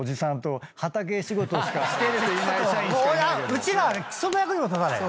うちらはねくその役にも立たない。